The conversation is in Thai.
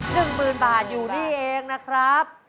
หนึ่งหมื่นบาทอยู่นี่เองนะครับ